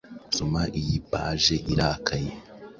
Soma iyi page irakaye,